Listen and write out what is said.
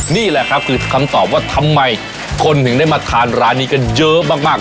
นี่แหละครับคือคำตอบว่าทำไมคนถึงได้มาทานร้านนี้กันเยอะมาก